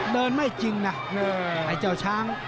ไม่จริงนะไอ้เจ้าช้าง